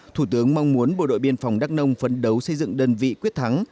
thủ tướng mong muốn bộ đội biên phòng đắk nông phấn đấu xây dựng đơn vị quyết thắng